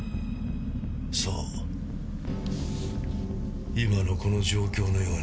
そう今のこの状況のようにね。